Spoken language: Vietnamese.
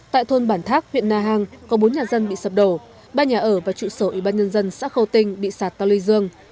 tại thôn bản thác huyện na hàng có bốn nhà dân bị sập đổ ba nhà ở và trụ sở ủy ban nhân dân xã khâu tinh bị sạt tàu lưu dương